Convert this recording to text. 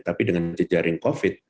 tapi dengan jejaring covid